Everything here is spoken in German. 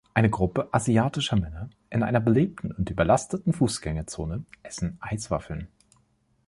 Eine Gruppe asiatischer Männer in einer belebten und überlasteten Fußgängerzone essen Eiswaffeln.